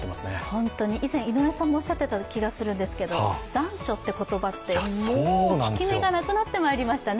本当に、以前、井上さんもおっしゃっていた気がするんですけど、残暑という言葉って効き目がなくなってきましたね。